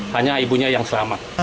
hanya ibunya yang selamat